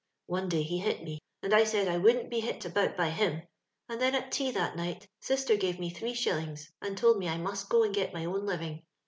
One day he hit me, and I said I wouldn't be hit about by him, and then at tea that night sister gave me three shillings, and told me I must go and get my own living.